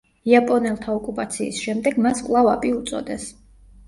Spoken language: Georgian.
იაპონელთა ოკუპაციის შემდეგ მას კვლავ აპი უწოდეს.